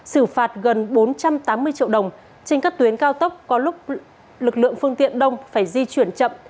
xử phạt gần bốn trăm tám mươi triệu đồng trên các tuyến cao tốc có lúc lực lượng phương tiện đông phải di chuyển chậm